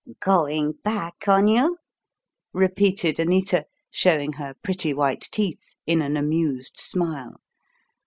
"Going back on you?" repeated Anita, showing her pretty white teeth in an amused smile.